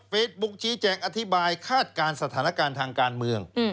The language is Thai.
ชี้แจงอธิบายคาดการณ์สถานการณ์ทางการเมือง